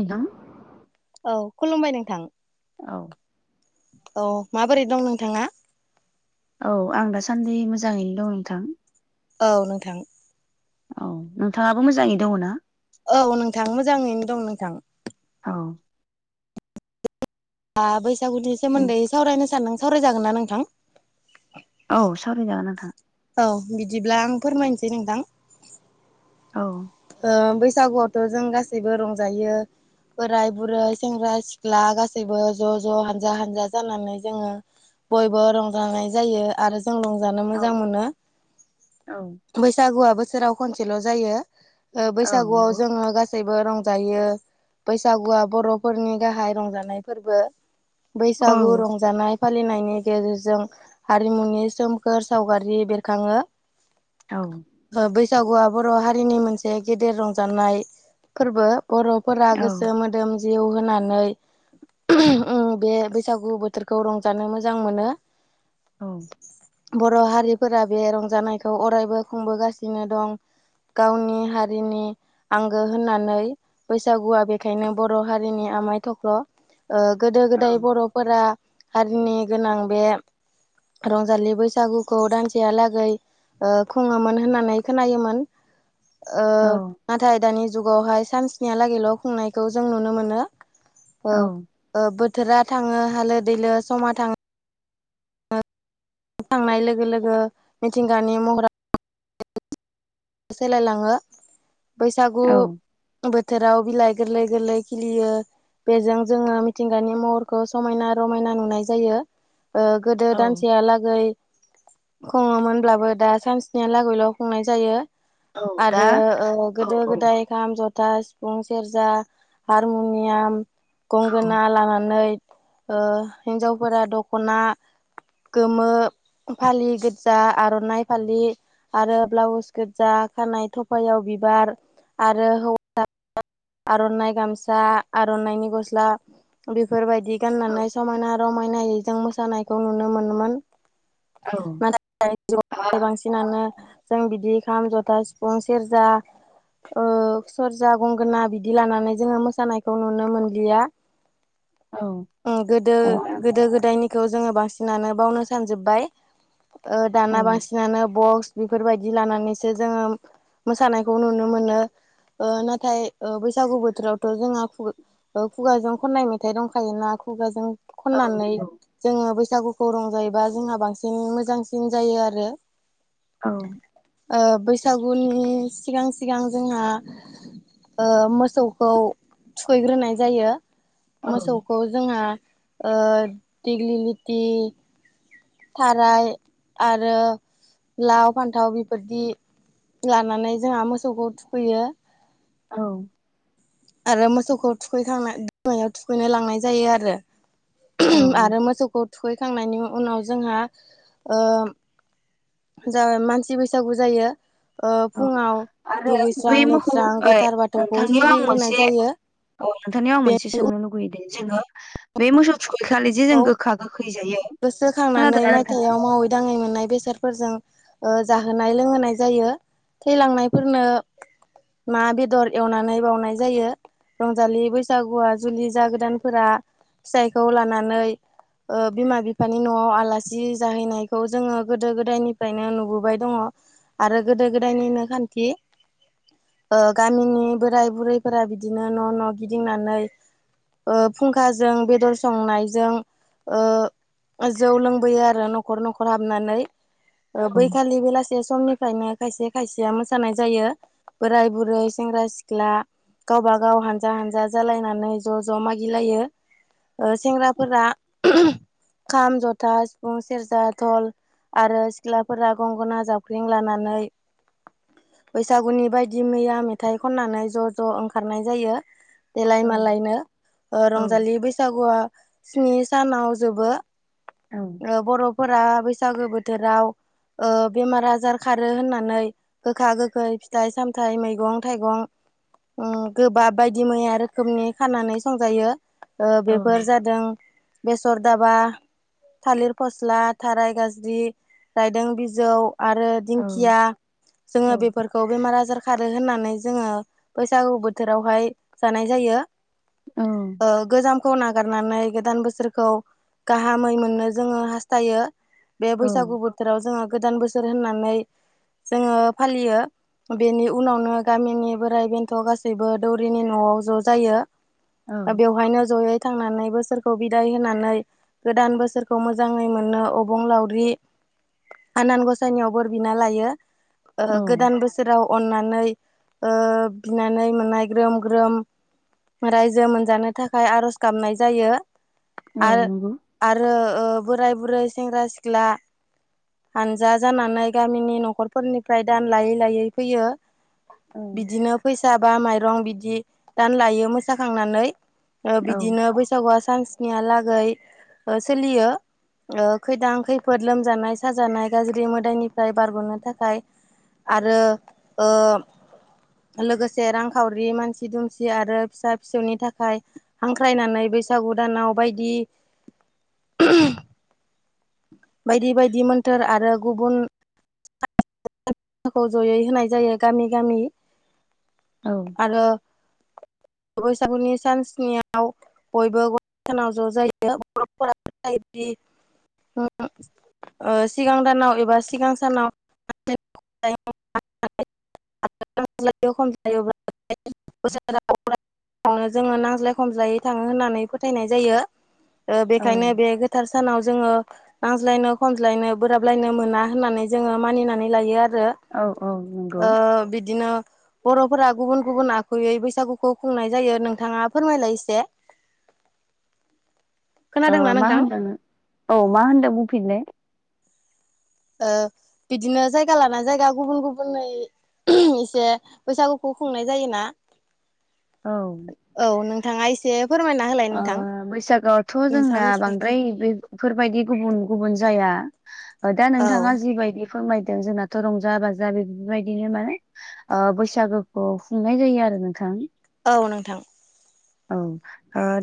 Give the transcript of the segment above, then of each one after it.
नोंथां औ खुलुमबाय नोंथां। औ औ माबोरै दं नोंथाङा? औ आं दासान्दि मोजाङैनो दं नोंथां। औ नोंथां औ नोंथाङाबो मोजाङै दङना? औ नोंथां मोजाङैनो दं नोंथां। औ ओ बैसागुनि सोमोन्दै सावरायनो सानदों सावरायजागोन ना नोंथां? औ सावरायजागोन नोंथां। औ बिदिब्ला आं फोरमायनोसै नोंथां। औ। ओ बैसागुआवथ' जों गासैबो रंजायो। बोराइ बुरै सेंग्रा सिख्ला गा सैबो ज' ज' हानजा हानजा जानानै जोङो बयबो रंजानाय जायो आरो। जों रंजानो औ मोजां मोनो। औ बैसागुआ बोसोराव खनसेल' जायो ओ औ बैसागुआव नंगौ जोङो गा सैबो रंजायो बैसागुआ बर'फोरनि गाहाय रंजानाय फोरबो। औ बैसागु रंजानाय फालिनायनि गेजेरजों हारिमुनि सोमखोर सावगारि बेरखाङो। औ। बैसागुआ बर' हारिनि मोनसे गेदेर रंजानाय फोरबो बर' फोरा औ गोसो मोदोम जिउ होनानै। उम बे बैसागु बोथोरखौ रंजानो मोजां मोनो। औ। बर' हारिफोरा बे रंजानायखौ अरायबो खुंबोगासिनो दं। गावनि हारिनि आंगो होननानै बैसागुआ बेखायनो बर' हारिनि आमाय थख्ल'। औ गोदो-गोदाय बर'फोरा हारिनि गोनां बे रंजालि बैसागुखौ दानसेहालागै। ओ खुङोमोन होननानै खोनायोमोन ओ नाथाय दानि जुगावहाय सान्सनियालागैल' खुंनायखौ जों नुनो मोनो औ। ओ बोथोरा थाङो हालो दैलो समा थाङो थांनाय लोगो लोगो मिथिंगानि महरा सोलायलाङो बैसागु औ बोथोराव बिलाइ गोरलै गोरलै खिलियो। बेजों जोङो मिथिंगानि महरखौ समायना रमायना नुनाय जायो ओ गोदो औ दानसेयालागै। खङोमोनब्लाबो दा सानसेनिया लागैल' खुंनाय जायो। औ दा आरो औ औ गोदो-गोदाय ओं खाम जथा सिफुं सेरजा हारमुनियाम गंगोना लानानै ओ हिन्जावफोरा दख'ना। गोमो फालि गोजा आर'नाइ फालि आरो ब्लाउस। गोजा खानाय थफायाव बिबार आरो आर'नाइ गामसा आर'नाइनि गस्ला बेफोरबायदि गाननानै समायना आरो। रमायनायजों मोसानायखौ नुनो मोनोन औ नाथाय औ बांसिन। फिसिनानो जों बिदि खाम जथा, सिफुं, सेरजा ओ सेरजा, गंगोना बिदि लानानै जोङो मोसानायखौ नुनो मोनलिया। औ गोदो औ नंगौ गोदो-गोदायनि खौ जोङो बांसिनानो बावनो सानजोबबाय औ दाना बांसिन बिसिानो बक्स बेफोरबायदि लानानैसो जोङो मोसानायखौ नुनो मोनो। ओ नाथाय बैसागु बोथोरावथ' जोंहा खुगाजों खननाय मेथाइ दंखायोना खुगाजों खननानै जोङो बैसागुखौ रंजायोबा जोंहा बांसिन मोजांसिन जायो आरो। औ। बैसागुनि सिगां सिगां जोंहा ओ मोसौखौ थुखैग्रोनाय जायो मोसौखौ जोंहा ओ दिग्लिलिथि थाराय आरो लाव फान्थाव बेफोरदि लानानै जोंहा मोसौखौ थुखैयो। औ। आरो मोसौखौ थुखैखांना गोमायाव थुखैनो लांनाय जायो आरो। औ आरो नंगौ मोसौखौ थुखैखांनायनि उनाव जोंहा ओ ज मानसि बैसागु जायो। ओ औ फुङाव आरो दुगैस्रां बै मोखौ लोबस्रां गोथार बाथौखौ नोंथांनियाव आं सिबिग्रोनाय मोनसे जायो औ नोंथांनियाव आं मोनसे बेनि सोंनो लुुबैयो दे जोङो। बे मोसौ थुखैखालि जे जों उनाव गोखा गोखै जायो गोसोखांनानै खोनादोंना नोंथाङा? फोरजों ओ जाहोनाय लोंहोनाय जायो थैलांनायफोरनो ना बेदर एवनानै बावनाय जायो। रंजालि बैसागुआ जुलि जागोदानफोरा फिथाइखौ लानानै ओ बिमा बिफानि न'आव आलासि जाहैनायखौ जोङो गोदो गोदायनिफ्रायनो नुबोबाय दङ। आरो गोदो गोदायनिनो खान्थि। ओ गामिनि बोराय बुरैफोरा बिदिनो न' न' गिदिंनानै ओ फुंखाजों बेदर संनाय जों जौ लोंबोयो आरो न'खर न'खर हाबनानै ओ औ बैखालि बेलासे समनिफ्रायनो खायसे खायसेया मोसानाय जायो‌। बोराय बुरै सेंग्रा सिख्ला गावबा गाव हानजा हानजा जालायनानै ज' ज' मागिलायो ओ सेंग्रा फोर खाम जथा सिफुं सेरजा थल आरो सिख्लाफोरा गंगना जावखें लानानै बैसागुनि बायदि मैया मेथाइ खननानै ज' ज' ओंखारनाय जायो। देलाय औ मालायनो रंजालि बैसागुआ स्नि सानाव जोबो। औ बर'फोरा बैसागो बोथोराव ओ बेमार आजार खारो होननानै गोखा गोखै फिथाइ सामथायाइ मैगं थाइगं गोबाब बायदि मैया रोखोमनि खानानै संजायो औ बेफोर जादों बेसर दाबा थालिर फस्ला थाराय गाज्रि रायदों बिजौ आरो औ दिंखिया जोङो औ बेफोरखौ खौ बेमार आजार खारो होननानै जोङो बैसागु बोथोरावहाय जानाय जायो। औ ओ गोजामखौ नागारनानै गोदान बोसोरखौ गाहामै मोननो जोङो हास्थायो बे बैसागु बो बोथोराव जोङो गोदान बोसोर होननानै जोङो फालियो। बेनि उनावनो गामिनि बोराइ बेन्थ' गासैबो दौरिनि न'आव ज' जायो। औ बेवहायनो जयै थांनानै बोसोर खौ बिदाय होनानै गोदान बोसोरखौ मोजाङै मोननो अबं लावउरि आनान गसाइनियाव ब बिना लायो गोदान बोसोराव अननानै ओ बिनानै मोननाय ग्रोम ग्रोम रायजो मोनजानो थाखाय आर'ज गाबनाय जायो। औ आरो नंगौ आरो ओ बोराय बुरै सेंग्रा सिख्ला हानजा जानानै गामिनि न'खरफोरनिफ्राय दान लायै लायै फैयो। औ बिदिनो फैसा बा माइरं बिदि दान लायो मोसाखांनानै। ओ औ बिदिनो बैसागुआ सानसनिहालागै ओ सोलियो। ओ खैदां खैफोद लोमजानाय साजानाय गाज्रि मोदायनिफ्राय बारग'नो थाखाय आरो ओ लोगोसे रांखावरि मानसि दुमसि आरो फिसा फिसौनि थाखाय हांख्रायनानै बैसागु दानाव बायदि बायदि बायदि मोन्थोर आरो गुबुन खौ ज'यै होनाय जायो गामि गामि औ। आरो बैसागुनि सान्सनियाव। बयबो ग सानाव ज' जायो बर'फोराबो बिदि औ। सिगां दानाव एबा सिगां सानाव मा जायो नो जोङो नांज्लाय खमज्लायै थाङो होननानै फोथायनाय जायो औ बेखायनो बे गोथार सानाव जोङो नांज्लायनो खनज्लायनो बोराबलायनो मोना होननानै जोङो मानिनानै लायो आरो। औ औ नंगौ बिदिनो बर'फोरा गुबुन गुबुन आखुयै बैसागुखौ खुंनाय जायो नोंथाङा फोरमायलाय एसे। [unintelligible] मा नोंथां? होनदों औ मा होनदों बुंफिन बिदिनो जायगा लाना जायगा गुबुन गुबुनै एसे बैसागुखौ खुंनाय जायोना? औ। औ नोंथाङा एसे। फोरमाय नागाय बैसागोआवथ' जोंना मिथिनायखौ बांद्राय बे बेफोरबायदि गुबुन गुबुन जाया दा औ नोंथाङा जिबायदि फोरमायदों जोंनाथ' रंजा बाजा बेफोर बायदिनो माने बैसागोखौ खुंनाय जायो आरो नोंथां। औ नोंथां। औ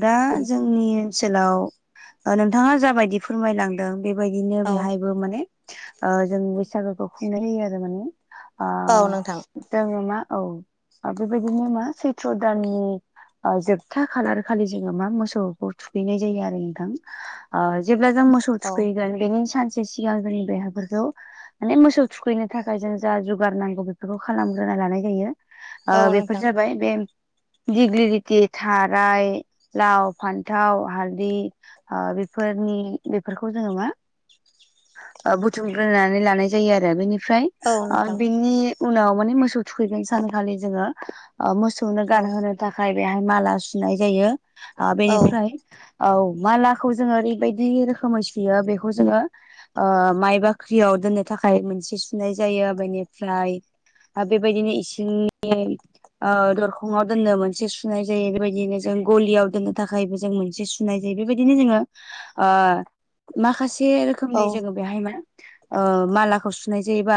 दा जों जोंनि ओनसोलाव नोंथाङा जाबायदि फोरमायलांदों बेबायदिनो औ बेहाय। म जों बैसागोखौ खुंनाय जायो आरो म औ नोंथां। जोङो मा औ बेबायदिनो मा सैथ्र' दाननि जोबथा खालार। खालि जोङो मा मोसौखौ थुखैनाय जायो आरो नोंथां। जेब्ला जों मोसौ औ थुखैगोन बेनिनो सानसे सिगां जोनि बेहाफोरखौ माने मोसौ थुखैनो थाखाय जों जा जुगार नांगौ बेफोरखौ खालामग्रोना लानाय जायो। औ बेफोर नोंथां जाबाय बे दिगलिटि थाराय। लाव फान्थाव हालदि बेफोरनि बेफोरखौ जोङो मा? बुथुमग्रोनानै लानाय जायो आरो बेनिफ्राय। औ नोंथां बिनि उनाव माने मोसौ थुखैगोन सानखालि जोङो। मोसौनो औ गानहोनो थाखाय बेहाय माला सुनाय जायो। औ बेनिफ्राय औ मालाखौ जोङो ओरैबायदि रोखोमै सुयो बेखौ जोङो माइ बाख्रियाव दोननो थाखाय मोनसे सुनाय जायो बेनिफ्राय। आरो बेबायदिनो इसिंनि दरखंआव दोननो मोनसे सुनाय जायो बेबायदिनो जों गलियाव दोननो थाखायबो जों मोनसे सुनाय जायो बेबायदिनो जोङो। माखासे औ रोखोमनि जोङो बेहाय म मालाखौ सुनाय जायोबा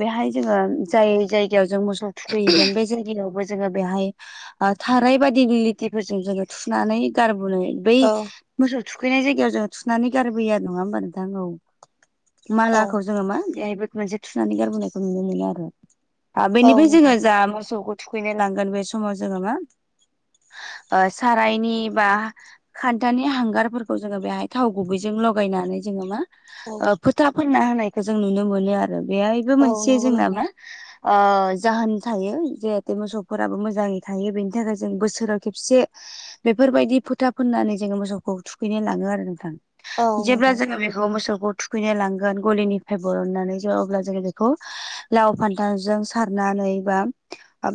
बेहाय जोङो जाय जाय मोसौ थुखैहैगोन बे जायायावबो जोङो बेहाय थाराय बाद खेथिफोरजों जोङो थुनानै गारबोनो बै औ मोसौ थुखैनाय जायगायाव जों थुनानै गारबोयो नङा होमबा नोंथां आ औ। मालाखौ जोङो मा बेहायबो मोनसे थुनानै गारबोनायखौ नुनो मोनो आरो। औ बेनिफ्राय नोंथां जोङो जा मोसौखौ थुखैनो लांगोन बे समाव जोङो मा सारायनि बा खान्थानि हांगारफोरखौ जोङो बेहाय थाव गुबैजों लगायनानै जोङो मा औ फोथा फोनना होनायखौ जों नुनो मोनो आरो बेहायबो औ मोनसे नंगौ जोंना नोंथां मा जाहोन थायो जहाथे मोसौफोराबो मोजाङै थायो बेनि थाखाय जों बोसोराव खेबसे बेफोरबायदि फोथा फोननानै जोङो मोसौखौ थुखैनो लाङो आरो नोंथां। औ जेब्ला नोंथां जोङो बेखौ मोसौखौ थुखैनो लांगोन गलिनिफ्राय बरननानै जो अब्ला जोङो बेखौ लाव फान्थावजों सारनानै बा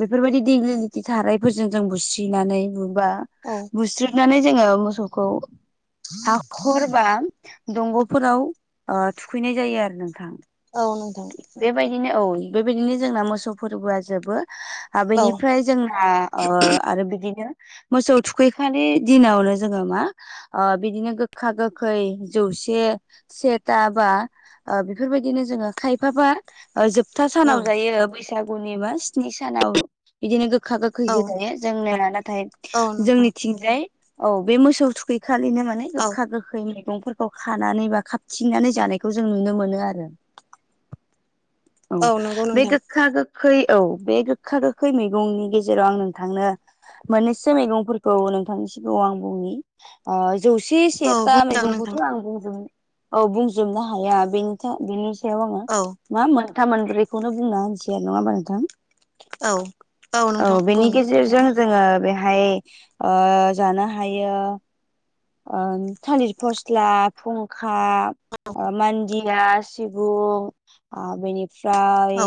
बेफोरबायदि देग्ललिथि थानायारफोरजों जों बुस्रि बुनानै बुबा औ बुस्रोबनानै जोङो मोसौखौ हाखर बा दंग'फोराव थुखैनाय जायो आरो नोंथां। औ नंगौ। बेबायदिनो औ बेबायदिनो जोंना मोसौ फोरबोआ जोबो आरो औ बेनिफ्राय जोंना आरो बिदिनो मोसौ थुखैखानि दिनावनो जोङो मा बिदिनो गोखा गोखै जौसे सेथा बा बेफोरबायदिनो जोङो खायफाफा जोबथा औ सानाव जायो बैसागुनि मा स्नि सानाव बिदिनो गोखा गोो औ खैगो थायो जोंनायया नाथाय औ नोंथां जोंनिथिंजाय औ बे मोसौ थुखैखालिनो माने औ गोखा गो गोखै मैगंफोरखौ खानानै बा खाबथिंनानै जानायखौ जों नुनो मोनो आरो। औ नंगौ बे नोंथां गोखा गोखै औ बे गोखा गोखै मैगंनि गेजेराव आं नोंथांनो मोननैसो मैगंफोरखौ नोंथांनि सिगाङाव आं बुंनि अ जौसे औ सेथा बुंजागोन मैगंखौथ' नोंथां आं बुंजोबनो औ बुंजोबनो हाया बेनि बेनि सायाव आङो औ मा मोनथाम मोनब्रैखौनो बुंना होनसै आरो नङा होमबा नोंथां। औ औ नोंथां बुं बेनि गेजेरजों जोङो बे ज हायो ओ थालिर फसला फुंखा मान्दिया सिबुं बेनि ओमफ्राय औ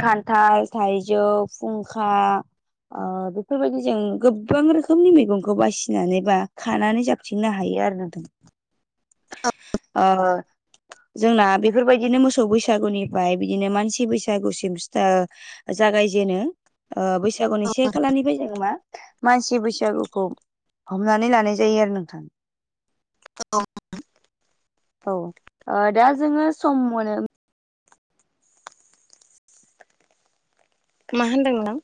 खान्थाल थाइजौ फुंखा बेफोरबायदि जों गोबां रोखोमनि मैगंखौ बासिनानै बा खानानै जा बिनो हायो आरो नोंथां। द [inaudible] जोंना बेफोरबायदिनो मोसौ बैसागुनिफ्राय बिदिनो मानसि बैसागुसिम सिथा जागायजेनो बैसागुनि से खालानिफ्राय जों मा मानसि बैसागुखौ हमनानै लानाय जायो आरो नोंथां। औ। औ दा जोङो सम मोनो मा मोनदोंमोन नों?